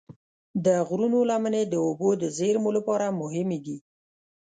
د غرونو لمنې د اوبو د زیرمو لپاره مهمې دي.